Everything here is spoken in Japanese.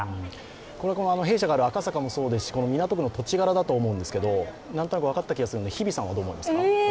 弊社がある赤坂もそうですし、港区の土地柄だと思うんですけど、何となく分かった気がするので日比さんどうですか。